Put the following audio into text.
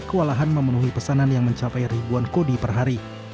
kewalahan memenuhi pesanan yang mencapai ribuan kodi per hari